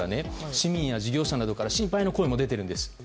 市民や事業者などから心配の声も出ています。